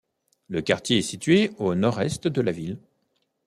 Le quartier est situé au nord-est de la ville.